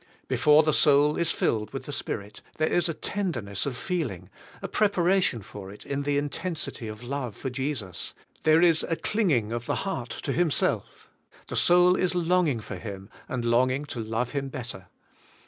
Before the soul is filled with the Spirit there is a tenderness of feeling", a pre paration for it in the intensity of love for Jesus; there is a cling ing of the heart to Himself; the soul is long ing for Him, and longing to love Him better.